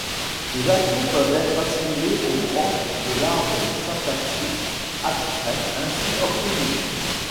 Des actions peuvent être assignées aux branches de l'arbre syntaxique abstrait ainsi obtenu.